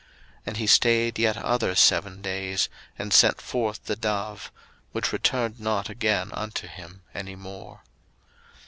01:008:012 And he stayed yet other seven days; and sent forth the dove; which returned not again unto him any more.